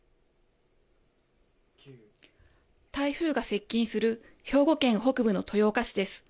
台風が接近する兵庫県北部の豊岡市です。